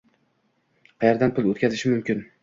Qayerdan pul o'tkazishim mumkin?